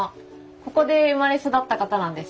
ここで生まれ育った方なんです。